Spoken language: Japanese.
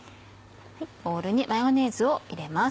ボウルにマヨネーズを入れます。